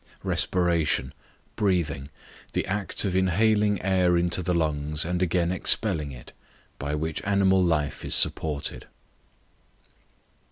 Respiration, breathing; the act of inhaling air into the lungs, and again expelling it, by which animal life is supported.